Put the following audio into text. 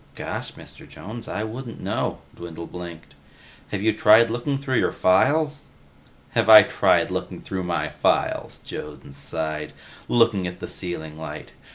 "Gosh, Mr. Jones, I just wouldn't know," Dwindle blinked. "Have you tried looking through your files?" "Have I tried looking through my files," Jones sighed, looking at the ceiling light.